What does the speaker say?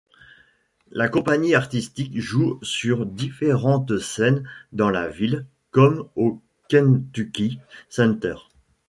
La compagnie artistique joue sur différentes scènes dans la ville comme au Kentucky Center.